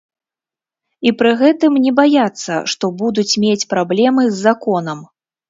І пры гэтым не баяцца, што будуць мець праблемы з законам.